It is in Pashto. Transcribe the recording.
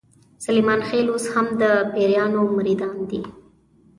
سلیمان خېل اوس هم د پیرانو مریدان دي.